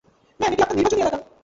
Ma'am, এটা আপনার নির্বাচনী এলাকা।